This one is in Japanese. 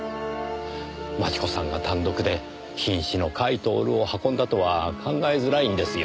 真智子さんが単独で瀕死の甲斐享を運んだとは考えづらいんですよ。